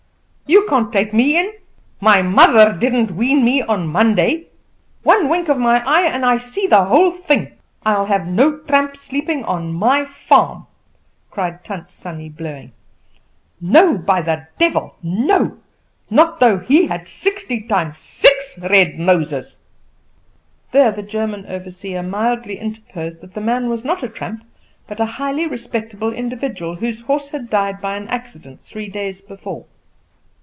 You can't take me in! My mother didn't wean me on Monday. One wink of my eye and I see the whole thing. I'll have no tramps sleeping on my farm," cried Tant Sannie blowing. "No, by the devil, no! not though he had sixty times six red noses." There the German overseer mildly interposed that the man was not a tramp, but a highly respectable individual, whose horse had died by an accident three days before.